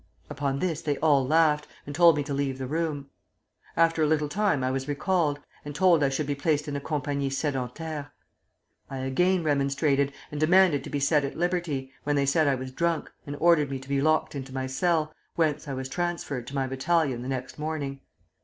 Upon this they all laughed, and told me to leave the room. After a little time I was recalled, and told I should be placed in a compagnie sédentaire. I again remonstrated, and demanded to be set at liberty, when they said I was drunk, and ordered me to be locked into my cell, whence I was transferred to my battalion the next morning.